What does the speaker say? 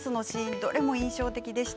どれも印象的でした。